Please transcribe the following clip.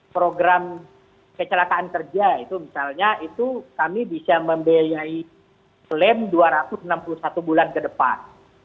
program kecelakaan kerja itu misalnya itu kami bisa membiayai klaim dua ratus enam puluh satu bulan ke depan